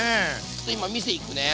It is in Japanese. ちょっと今見せいくね。